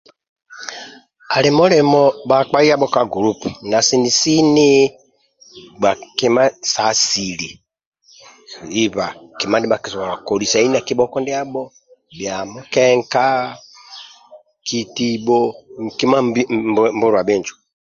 Ali mulimo bhakpa yabho ka group na sini-sini gba kima sa asili iba kima ndibha kitoka kolisai sa kibhoko ndiabho bhia mukenka, kitibho kima mbuluwa bhinjo.